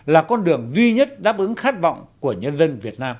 là con đường duy nhất đáp ứng khát vọng của nhân dân